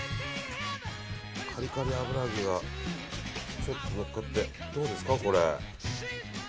カリカリ油揚げがちょっとのっかってどうですか、これ。